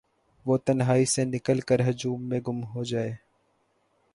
وہ تنہائی سے نکل کرہجوم میں گم ہوجائے